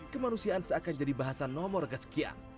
kemanusiaan seakan jadi bahasa nomor kesekian